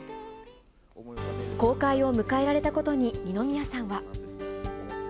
公開を迎えられたことに、二宮さんは。